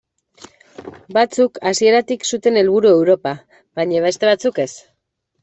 Batzuk hasieratik zuten helburu Europa, baina beste batzuk ez.